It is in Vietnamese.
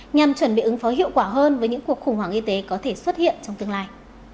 nhằm chuẩn bị ứng phó hiệu quả hơn với những cuộc khủng hoảng y tế có thể xuất hiện trong tương lai